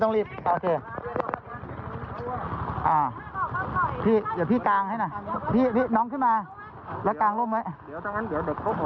เดี๋ยวทั้งงั้นเดี๋ยวเด็กล่มออกไปทางทางนู้นเลยครับ